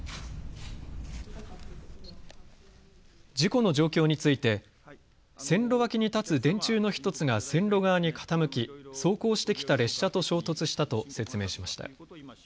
事故の状況について線路脇に立つ電柱の１つが線路側に傾き、走行してきた列車と衝突したと説明しました。